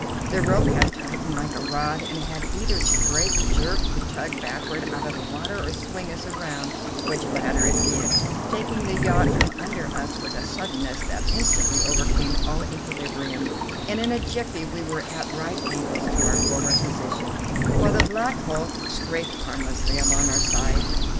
The rope had tightened like a rod, and had either to break, jerk the tug backward out of the water, or swing us around, which latter it did, taking the yacht from under us with a suddenness that instantly overcame all equilibrium, and in a jiffy we were at right angles to our former position, while the black hulk scraped harmlessly along our side.